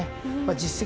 実績